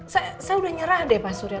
saya sudah nyerah deh pak surya